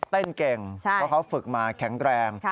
เต้นเก่งเพราะเขาฝึกมาแข็งแรง